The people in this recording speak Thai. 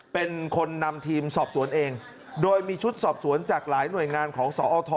เป็นคนนำทีมสอบสวนเองโดยมีชุดสอบสวนจากหลายหน่วยงานของสอท